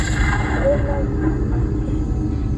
E lo ju.